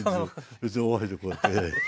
別にお箸でこうやって。